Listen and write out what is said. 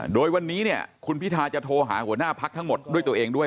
โดยวันนี้เนี่ยคุณพิทาจะโทรหาหัวหน้าพักทั้งหมดด้วยตัวเองด้วย